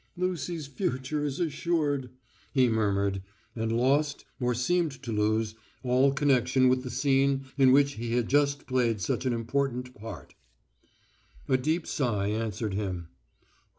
"Lucy's future is assured," he murmured, and lost or seemed to lose all connection with the scene in which he had just played such an important part. A deep sigh answered him.